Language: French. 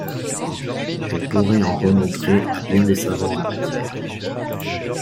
Elle pourrait en remontrer à bien des savants en la matière.